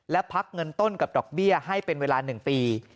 และพักเงินต้นกับดอกเบี้ยให้เป็นเวลา๑ปี